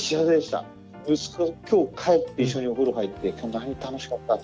息子今日帰って一緒にお風呂入って「今日何楽しかった？」